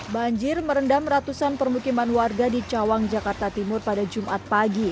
banjir merendam ratusan permukiman warga di cawang jakarta timur pada jumat pagi